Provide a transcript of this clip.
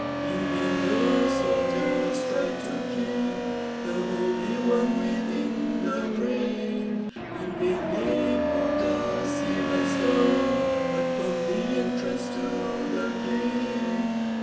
In vain the soldiers tried to keep The Holy One within the grave ; In vain they put a seal and stone Upon the entrance to the cave.